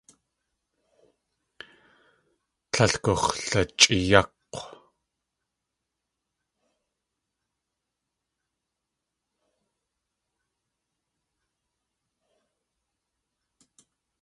Tlél gux̲lachʼéeyák̲w.